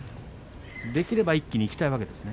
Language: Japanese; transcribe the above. できれば一気にいきたいわけですね。